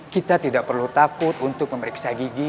kita tidak perlu takut untuk memeriksa gigi